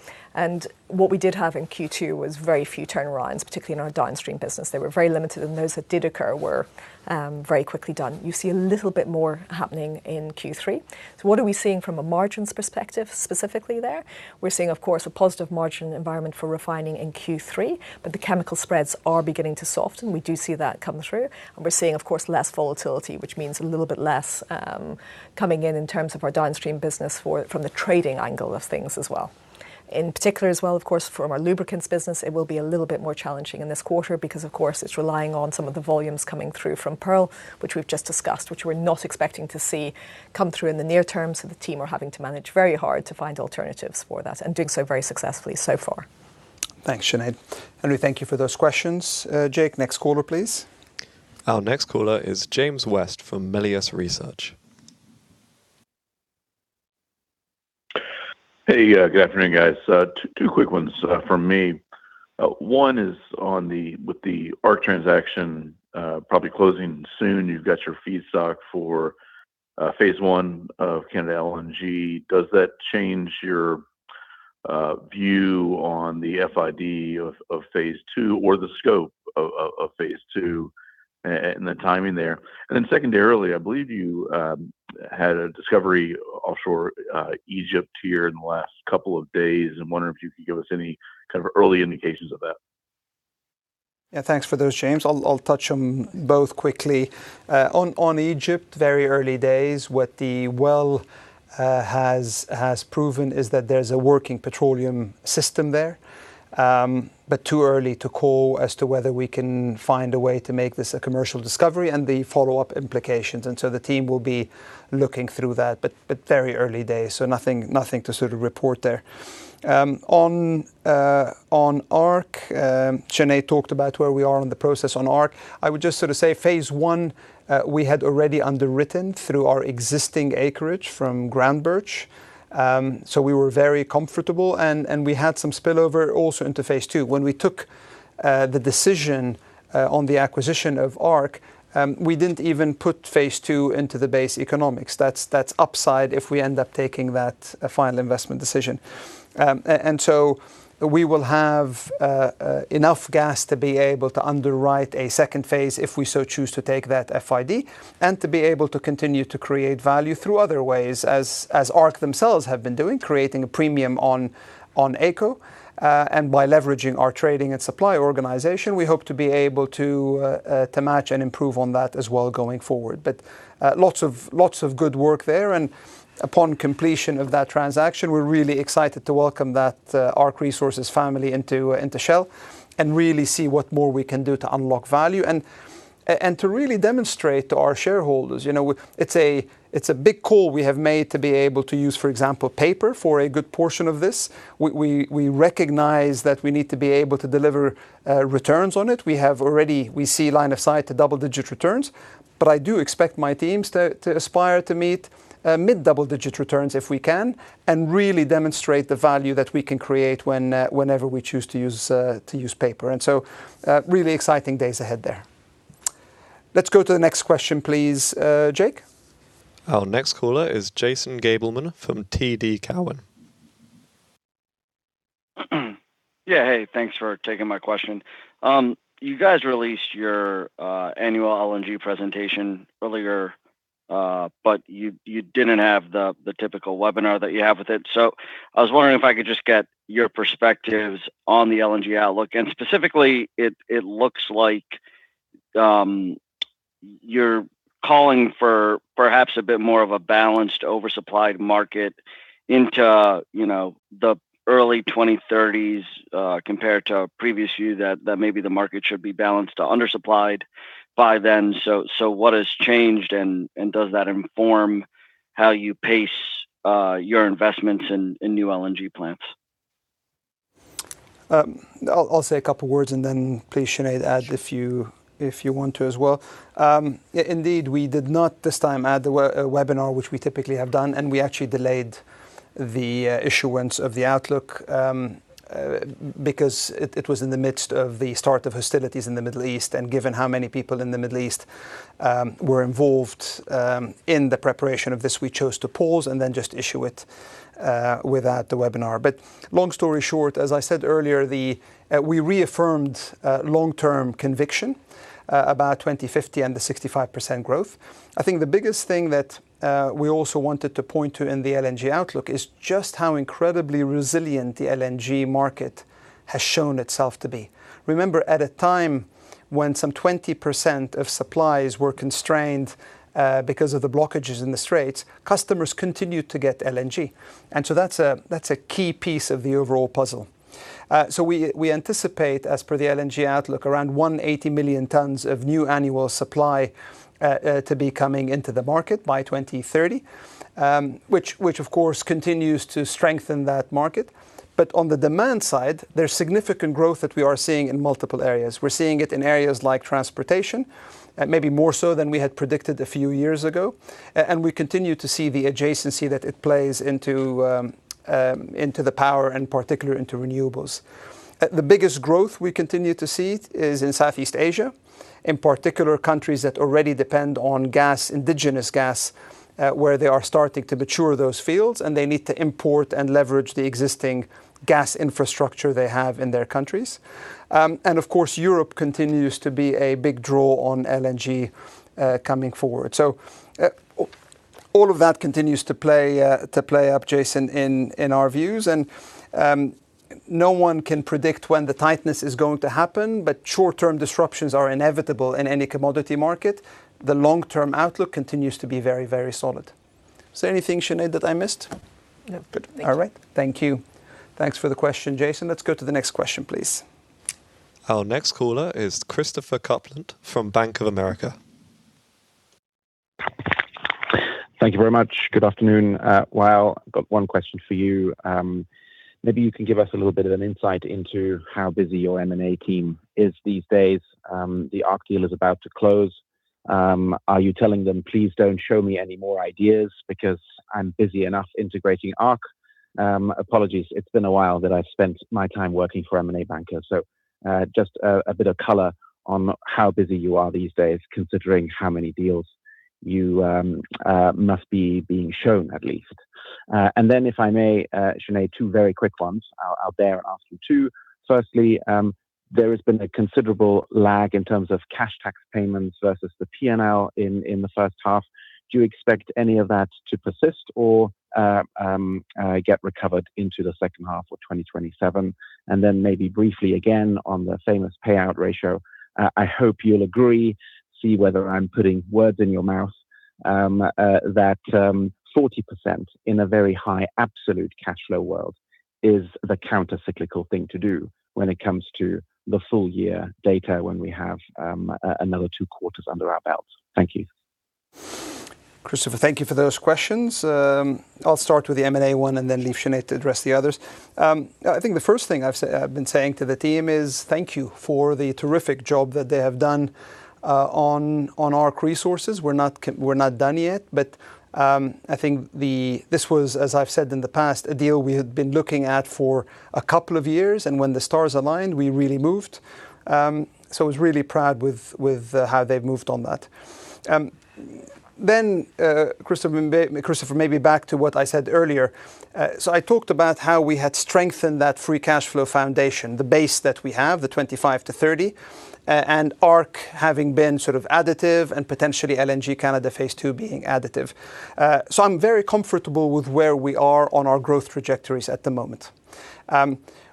What we did have in Q2 was very few turnarounds, particularly in our downstream business. They were very limited, and those that did occur were very quickly done. You see a little bit more happening in Q3. What are we seeing from a margins perspective specifically there? We're seeing, of course, a positive margin environment for refining in Q3, but the chemical spreads are beginning to soften. We do see that come through. We're seeing, of course, less volatility, which means a little bit less coming in in terms of our downstream business from the trading angle of things as well. In particular as well, of course, from our lubricants business, it will be a little bit more challenging in this quarter because, of course, it's relying on some of the volumes coming through from Pearl, which we've just discussed, which we're not expecting to see come through in the near term. The team are having to manage very hard to find alternatives for that and doing so very successfully so far. Thanks, Sinead. Henry, thank you for those questions. Jake, next caller, please. Our next caller is James West from Melius Research. Hey, good afternoon, guys. Two quick ones from me. One is with the ARC transaction probably closing soon, you've got your feedstock for phase 1 of Canada LNG. Does that change your view on the FID of phase 2 or the scope of phase 2 and the timing there? Secondarily, I believe you had a discovery offshore Egypt here in the last couple of days. I'm wondering if you could give us any kind of early indications of that. Yeah, thanks for those, James. I'll touch on both quickly. On Egypt, very early days. What the well has proven is that there's a working petroleum system there. Too early to call as to whether we can find a way to make this a commercial discovery and the follow-up implications. The team will be looking through that, very early days, nothing to sort of report there. On ARC, Sinead talked about where we are on the process on ARC. I would just sort of say phase 1 we had already underwritten through our existing acreage from Groundbirch. We were very comfortable, and we had some spillover also into phase 2. When we took the decision on the acquisition of ARC, we didn't even put phase 2 into the base economics. That's upside if we end up taking that final investment decision. We will have enough gas to be able to underwrite a second phase if we so choose to take that FID and to be able to continue to create value through other ways, as ARC themselves have been doing, creating a premium on AECO. By leveraging our trading and supply organization, we hope to be able to match and improve on that as well going forward. Lots of good work there. Upon completion of that transaction, we're really excited to welcome that ARC Resources family into Shell and really see what more we can do to unlock value and to really demonstrate to our shareholders. It's a big call we have made to be able to use, for example, paper for a good portion of this. We recognize that we need to be able to deliver returns on it. We see line of sight to double-digit returns. I do expect my teams to aspire to meet mid-double-digit returns if we can and really demonstrate the value that we can create whenever we choose to use paper. Really exciting days ahead there. Let's go to the next question please, Jake. Our next caller is Jason Gabelman from TD Cowen. Yeah. Hey, thanks for taking my question. You guys released your annual LNG presentation earlier, you didn't have the typical webinar that you have with it. I was wondering if I could just get your perspectives on the LNG outlook. Specifically, it looks like you're calling for perhaps a bit more of a balanced, oversupplied market into the early 2030s compared to a previous view that maybe the market should be balanced to undersupplied by then. What has changed, and does that inform how you pace your investments in new LNG plants? I'll say a couple words and then please, Sinead, add if you want to as well. Indeed, we did not this time add the webinar, which we typically have done, and we actually delayed the issuance of the outlook because it was in the midst of the start of hostilities in the Middle East. Given how many people in the Middle East were involved in the preparation of this, we chose to pause and then just issue it without the webinar. Long story short, as I said earlier, we reaffirmed long-term conviction about 2050 and the 65% growth. I think the biggest thing that we also wanted to point to in the LNG outlook is just how incredibly resilient the LNG market has shown itself to be. Remember, at a time when some 20% of supplies were constrained because of the blockages in the straits, customers continued to get LNG. That's a key piece of the overall puzzle. We anticipate, as per the LNG outlook, around 180 million tons of new annual supply to be coming into the market by 2030, which of course continues to strengthen that market. On the demand side, there's significant growth that we are seeing in multiple areas. We're seeing it in areas like transportation, maybe more so than we had predicted a few years ago. We continue to see the adjacency that it plays into the power and particularly into renewables. The biggest growth we continue to see is in Southeast Asia, in particular countries that already depend on indigenous gas where they are starting to mature those fields, and they need to import and leverage the existing gas infrastructure they have in their countries. Of course, Europe continues to be a big draw on LNG coming forward. All of that continues to play up, Jason, in our views. No one can predict when the tightness is going to happen, but short-term disruptions are inevitable in any commodity market. The long-term outlook continues to be very, very solid. Is there anything, Sinead, that I missed? No. Good. Thank you. All right. Thank you. Thanks for the question, Jason. Let's go to the next question, please. Our next caller is Christopher Kuplent from Bank of America. Thank you very much. Good afternoon. Wael, got one question for you. Maybe you can give us a little bit of an insight into how busy your M&A team is these days. The ARC deal is about to close. Are you telling them, "Please don't show me any more ideas because I'm busy enough integrating ARC?" Apologies, it's been a while that I've spent my time working for M&A bankers, so just a bit of color on how busy you are these days, considering how many deals you must be being shown, at least. Then if I may, Sinead, two very quick ones. I'll dare ask you two. Firstly, there has been a considerable lag in terms of cash tax payments versus the P&L in the first half. Do you expect any of that to persist or get recovered into the second half of 2027? Then maybe briefly again on the famous payout ratio, I hope you'll agree, see whether I'm putting words in your mouth, that 40% in a very high absolute cash flow world is the countercyclical thing to do when it comes to the full year data when we have another two quarters under our belts. Thank you. Christopher, thank you for those questions. I'll start with the M&A one and then leave Sinead to address the others. I think the first thing I've been saying to the team is thank you for the terrific job that they have done on ARC Resources. We're not done yet, but I think this was, as I've said in the past, a deal we had been looking at for a couple of years, and when the stars aligned, we really moved. I was really proud with how they've moved on that. Christopher, maybe back to what I said earlier. I talked about how we had strengthened that free cash flow foundation, the base that we have, the $25 billion-$30 billion, and ARC having been sort of additive and potentially LNG Canada phase 2 being additive. I'm very comfortable with where we are on our growth trajectories at the moment.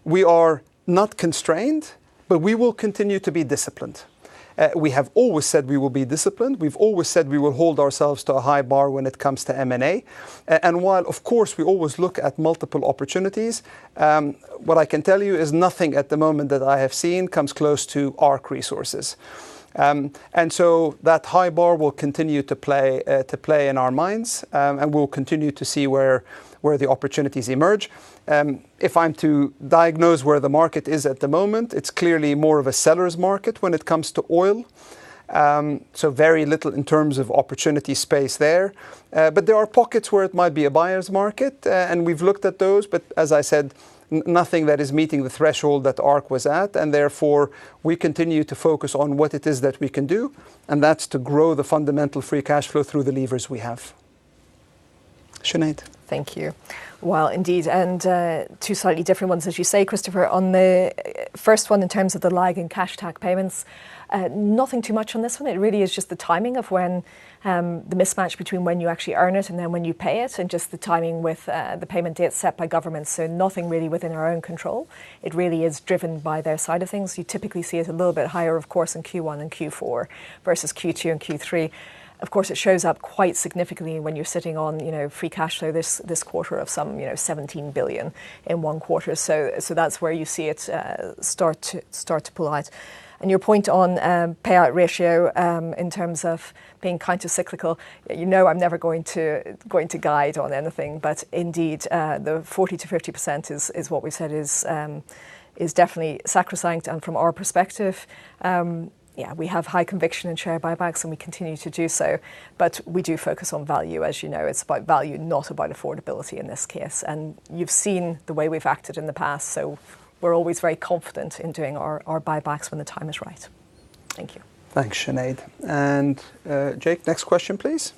We are not constrained, but we will continue to be disciplined. We have always said we will be disciplined. We've always said we will hold ourselves to a high bar when it comes to M&A. While of course, we always look at multiple opportunities, what I can tell you is nothing at the moment that I have seen comes close to ARC Resources. That high bar will continue to play in our minds, and we'll continue to see where the opportunities emerge. If I'm to diagnose where the market is at the moment, it's clearly more of a seller's market when it comes to oil, so very little in terms of opportunity space there. There are pockets where it might be a buyer's market, and we've looked at those, but as I said, nothing that is meeting the threshold that ARC was at, and therefore, we continue to focus on what it is that we can do, and that's to grow the fundamental free cash flow through the levers we have. Sinead. Thank you. Wael, indeed, and two slightly different ones, as you say, Christopher. On the first one, in terms of the lag in cash tax payments, nothing too much on this one. It really is just the timing of the mismatch between when you actually earn it and then when you pay it, and just the timing with the payment dates set by governments. Nothing really within our own control. It really is driven by their side of things. You typically see it a little bit higher, of course, in Q1 and Q4 versus Q2 and Q3. Of course, it shows up quite significantly when you're sitting on free cash flow this quarter of some $17 billion in one quarter. That's where you see it start to pull out. Your point on payout ratio, in terms of being countercyclical, you know I'm never going to guide on anything, but indeed, the 40%-50% is what we said is definitely sacrosanct. From our perspective, we have high conviction in share buybacks, and we continue to do so, but we do focus on value. As you know, it's about value, not about affordability in this case. You've seen the way we've acted in the past, so we're always very confident in doing our buybacks when the time is right. Thank you. Thanks, Sinead. Jake, next question, please.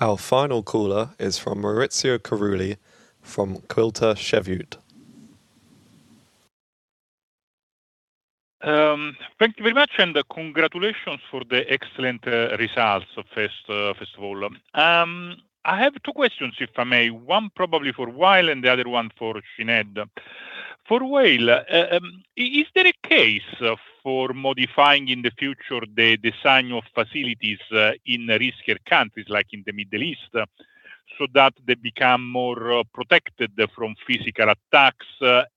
Our final caller is from Maurizio Carulli from Quilter Cheviot. Thank you very much. Congratulations for the excellent results, first of all. I have two questions, if I may. One probably for Wael and the other one for Sinead. For Wael, is there a case for modifying in the future the design of facilities in riskier countries like in the Middle East, so that they become more protected from physical attacks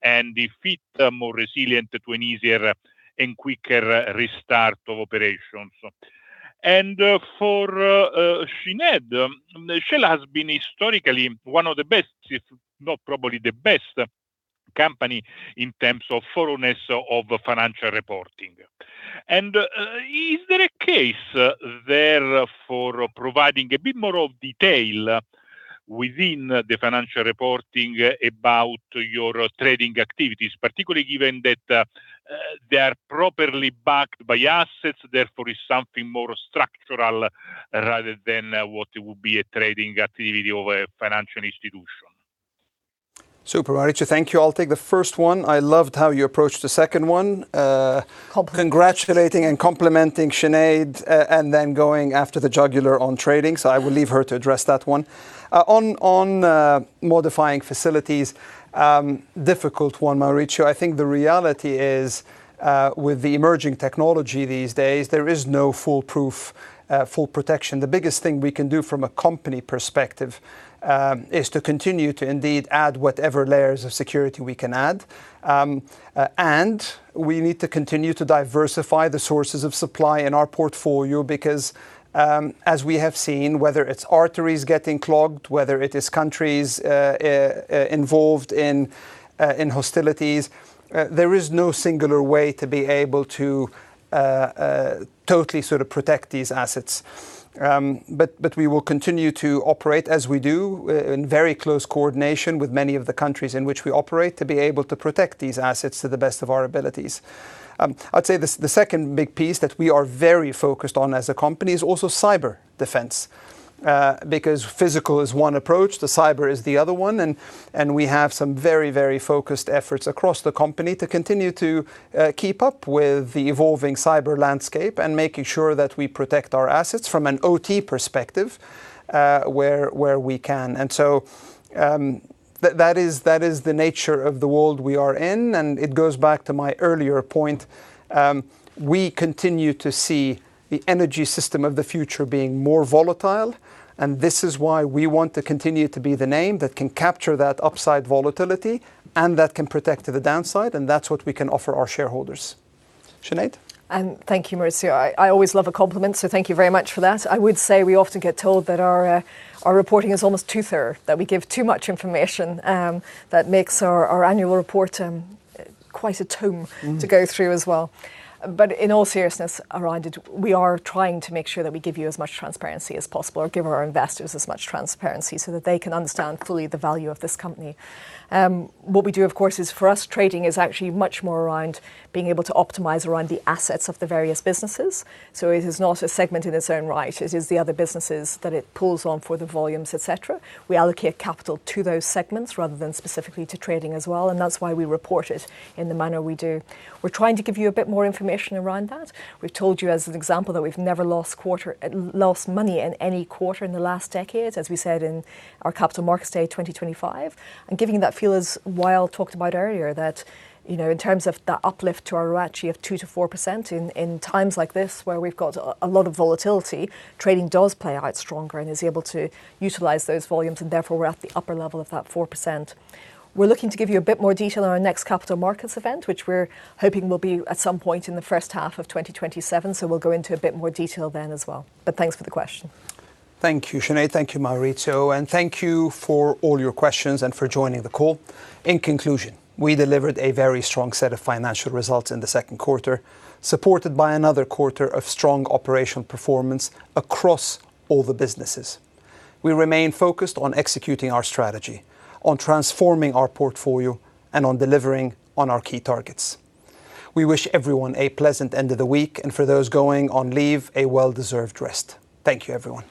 and if hit, more resilient to an easier and quicker restart of operations? For Sinead, Shell has been historically one of the best, if not probably the best company in terms of thoroughness of financial reporting. Is there a case there for providing a bit more of detail within the financial reporting about your trading activities, particularly given that they are properly backed by assets, therefore is something more structural rather than what would be a trading activity of a financial institution? Super, Maurizio. Thank you. I'll take the first one. I loved how you approached the second one. Compliment. Congratulating and complimenting Sinead, then going after the jugular on trading. I will leave her to address that one. On modifying facilities, difficult one, Maurizio. I think the reality is, with the emerging technology these days, there is no foolproof, full protection. The biggest thing we can do from a company perspective is to continue to indeed add whatever layers of security we can add. We need to continue to diversify the sources of supply in our portfolio, because as we have seen, whether it's arteries getting clogged, whether it is countries involved in hostilities, there is no singular way to be able to totally protect these assets. We will continue to operate as we do in very close coordination with many of the countries in which we operate to be able to protect these assets to the best of our abilities. I'd say the second big piece that we are very focused on as a company is also cyber defense. Because physical is one approach, the cyber is the other one, we have some very, very focused efforts across the company to continue to keep up with the evolving cyber landscape and making sure that we protect our assets from an OT perspective where we can. That is the nature of the world we are in, it goes back to my earlier point. We continue to see the energy system of the future being more volatile, this is why we want to continue to be the name that can capture that upside volatility and that can protect to the downside, that's what we can offer our shareholders. Sinead? Thank you, Maurizio. I always love a compliment, thank you very much for that. I would say we often get told that our reporting is almost too thorough, that we give too much information that makes our annual report quite a tome to go through as well. In all seriousness around it, we are trying to make sure that we give you as much transparency as possible or give our investors as much transparency so that they can understand fully the value of this company. What we do, of course, is for us, trading is actually much more around being able to optimize around the assets of the various businesses. It is not a segment in its own right. It is the other businesses that it pulls on for the volumes, et cetera. We allocate capital to those segments rather than specifically to trading as well. That's why we report it in the manner we do. We're trying to give you a bit more information around that. We've told you as an example that we've never lost money in any quarter in the last decade, as we said in our Capital Markets Day 2025. Giving you that feel as Wael talked about earlier that in terms of that uplift to our ROACE of 2% to 4% in times like this where we've got a lot of volatility, trading does play out stronger and is able to utilize those volumes, and therefore we're at the upper level of that 4%. We're looking to give you a bit more detail on our next capital markets event, which we're hoping will be at some point in the first half of 2027. We'll go into a bit more detail then as well. Thanks for the question. Thank you, Sinead. Thank you, Maurizio. Thank you for all your questions and for joining the call. In conclusion, we delivered a very strong set of financial results in the second quarter, supported by another quarter of strong operational performance across all the businesses. We remain focused on executing our strategy, on transforming our portfolio, and on delivering on our key targets. We wish everyone a pleasant end of the week and for those going on leave, a well-deserved rest. Thank you, everyone.